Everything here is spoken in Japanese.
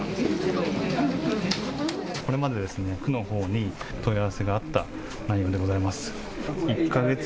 これまで区に問い合わせがあった内容でございます。